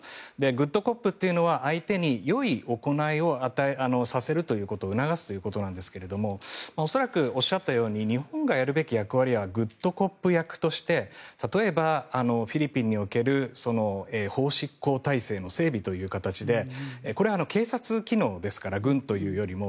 グッドコップというのは相手によい行いを促すということなんですが恐らくおっしゃったように日本がやるべき役割はグッドコップ役として例えばフィリピンにおける法執行体制の整備という形でこれ、警察機能ですから軍というよりも。